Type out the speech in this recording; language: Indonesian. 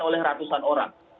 oleh ratusan orang